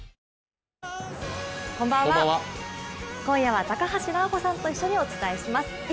今夜は、高橋尚子さんと一緒にお伝えします。